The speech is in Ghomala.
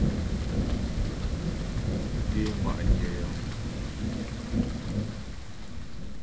Ké ŋwà'nyə̀ yəŋ.